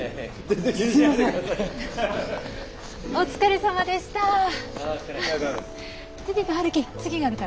お疲れさまでした。